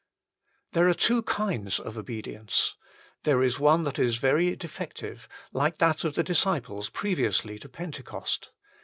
There are two kinds of obedience. There is one that is very defective, like that of the disciples previously to Pentecost.